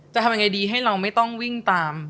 จะทำยังไงดีให้เราไม่ต้องวิ่งตาม